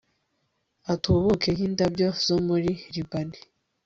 atubuke nk'indabyo zo muri libani